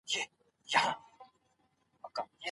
که شتمن مرسته ونه کړي حکومت به یې مجبور کړي.